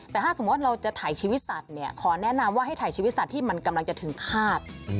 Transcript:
แต่ถ้าสมมุติเราจะถ่ายชีวิตสัตว์เนี่ยขอแนะนำว่าให้ถ่ายชีวิตสัตว์ที่มันกำลังจะถึงคาด